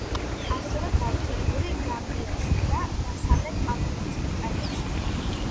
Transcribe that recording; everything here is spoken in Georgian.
ასევე გავრცელებული გამბიაში და დასავლეთ აფრიკის ქვეყნებში.